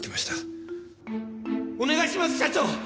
お願いします社長！